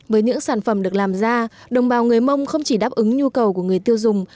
với những sản phẩm được làm ra đồng bào người mông không chỉ đáp ứng nhu cầu của người tiêu dùng